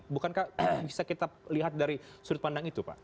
bukankah bisa kita lihat dari sudut pandang itu pak